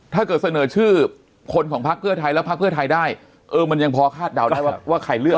ถ้าเกิดเสนอชื่อคนของพักเพื่อไทยแล้วพักเพื่อไทยได้เออมันยังพอคาดเดาได้ว่าใครเลือก